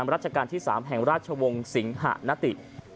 รัชกาลที่๓แห่งราชวงศ์สิงหะนติ